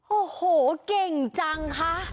โอ้โหเก่งจังคะ